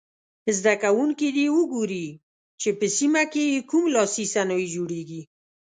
زده کوونکي دې وګوري چې په سیمه کې یې کوم لاسي صنایع جوړیږي.